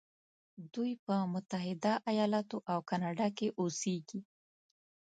دوی په متحده ایلاتو او کانادا کې اوسیږي.